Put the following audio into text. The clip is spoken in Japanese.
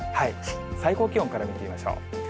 最高気温から見てみましょう。